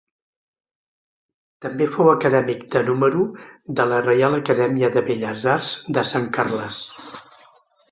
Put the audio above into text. També fou Acadèmic de número de la Reial Acadèmia de Belles Arts de Sant Carles.